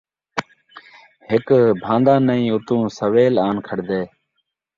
ہک بھان٘دا نئیں ، اتوں سویل آن کھڑدے